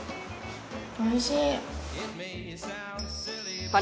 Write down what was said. おいしい。